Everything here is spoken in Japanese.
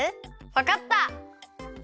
わかった！